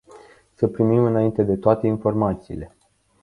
Să primim înainte de toate informațiile.